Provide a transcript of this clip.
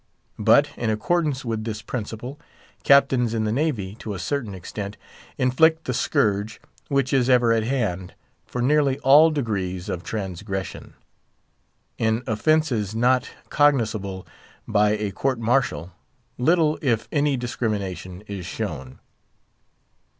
But in accordance with this principle, captains in the Navy, to a certain extent, inflict the scourge—which is ever at hand—for nearly all degrees of transgression. In offences not cognisable by a court martial, little, if any, discrimination is shown.